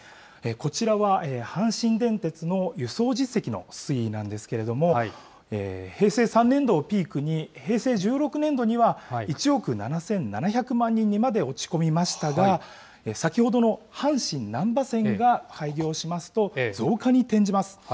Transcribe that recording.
こちらは阪神電鉄の輸送実績の推移なんですけれども、平成３年度をピークに平成１６年度には、１億７７００万人にまで落ち込みましたが、先ほどの阪神なんば線が開業しますと、増加に転じます。